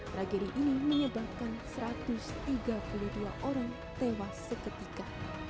tragedi ini menyebabkan satu ratus tiga puluh dua orang tewas seketika